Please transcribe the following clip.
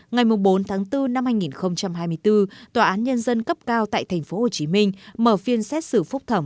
ngày bốn tháng bốn năm hai nghìn hai mươi bốn tòa án nhân dân cấp cao tại tp hcm mở phiên xét xử phúc thẩm